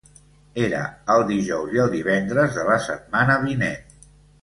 Era el dijous i el divendres de la setmana vinent.